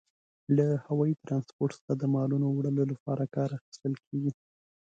له هوايي ترانسپورت څخه د مالونو وړلو لپاره کار اخیستل کیږي.